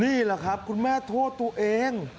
นี่แหละครับคุณแม่โทษตัวเอง